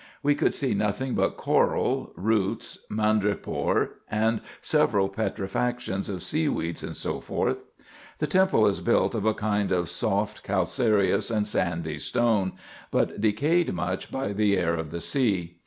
We could see nothing but coral, roots, madrepore, and several petrifactions of sea weeds, &c. The temple is built of a kind of soft, calcareous, and sandy stone, but decayed much by the air of the sea.